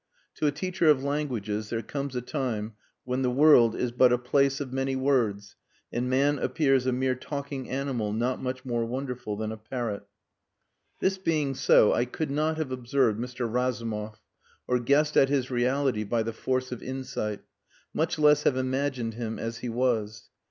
To a teacher of languages there comes a time when the world is but a place of many words and man appears a mere talking animal not much more wonderful than a parrot. This being so, I could not have observed Mr. Razumov or guessed at his reality by the force of insight, much less have imagined him as he was.